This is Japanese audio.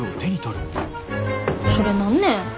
それ何ね？